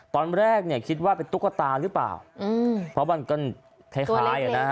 ตอนแรกเนี่ยคิดว่าเป็นตุ๊กตาหรือเปล่าอืมเพราะมันก็คล้ายคล้ายอ่ะนะฮะ